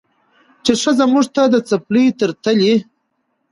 چې ښځه موږ ته د څپلۍ تر تلي